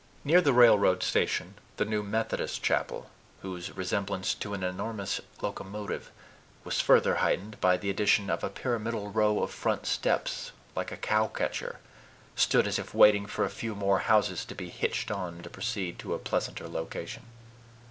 Near the railroad station, the new Methodist chapel, whose resemblance to an enormous locomotive was further heightened by the addition of a pyramidal row of front steps, like a cowcatcher, stood as if waiting for a few more houses to be hitched on to proceed to a pleasanter location.